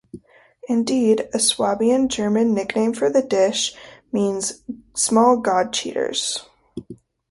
Indeed, a Swabian German nickname for the dish, ", means "small God-cheaters".